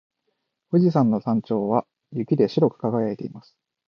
富士山の頂上は雪で白く輝いています。